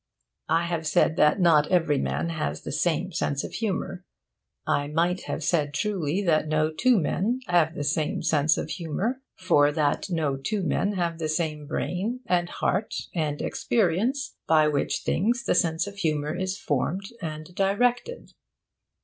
I have said that not every man has the same sense of humour. I might have said truly that no two men have the same sense of humour, for that no two men have the same brain and heart and experience, by which things the sense of humour is formed and directed.